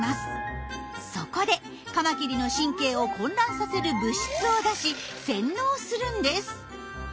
そこでカマキリの神経を混乱させる物質を出し洗脳するんです。